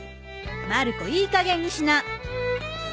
まる子いいかげんにしな！